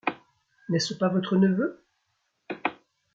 N’est-ce pas votre neveu ?